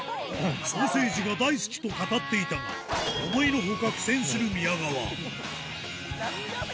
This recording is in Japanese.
ソーセージが大好きと語っていたが思いの外苦戦する宮川涙目。